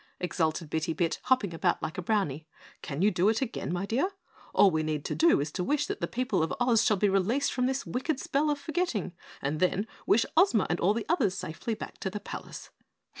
exulted Bitty Bit, hopping about like a Brownie. "Can you do it again, my dear? All we need to do is to wish that the people of Oz shall be released from this wicked spell of forgetting and then wish Ozma and all the others safely back to this palace."